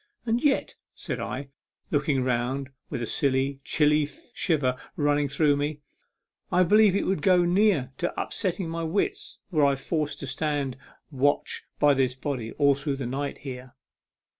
And yet," said I, looking round with a silly, chilly shiver running through me, " I believe it would go near to unsettling my wits were I forced to stand watch by this body all through the night here."